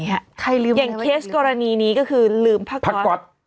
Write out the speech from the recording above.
อย่างเคสกรณีนี้ก็คือลืมพักก๊อต